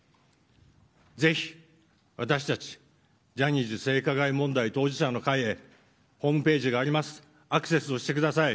ぜひ私たち、ジャニーズ性加害問題当事者の会へホームページがありますのでアクセスしてください。